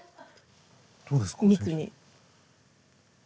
どうですか？